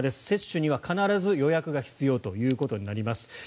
接種には必ず予約が必要ということになります。